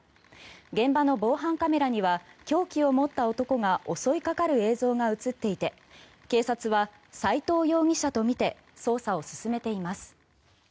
現場の防犯カメラには凶器を持った男が襲いかかる映像が映っていて警察は斎藤容疑者とみて捜査を進めています。